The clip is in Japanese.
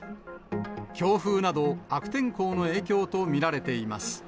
強風など悪天候の影響と見られています。